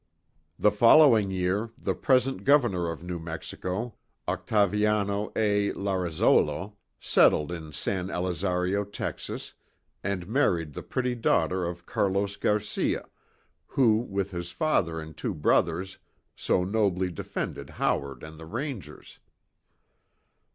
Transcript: The following year the present Governor of New Mexico, Octaviano A. Larrazolo, settled in San Elizario, Texas, and married the pretty daughter of Carlos Garcia, who, with his father and two brothers, so nobly defended Howard and the Rangers.